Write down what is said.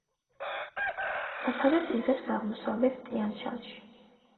სათავეს იღებს აღმოსავლეთ ტიან-შანში.